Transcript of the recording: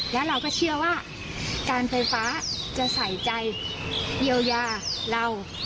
แล้วเราก็เชื่อว่าการไฟฟ้าจะใส่ใจเยียวยาเรา